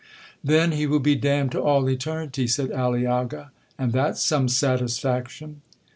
'Then he will be damned to all eternity,' said Aliaga, 'and that's some satisfaction.'